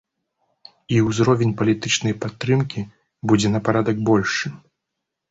І ўзровень палітычнай падтрымкі будзе на парадак большы.